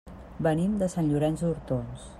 Venim de Sant Llorenç d'Hortons.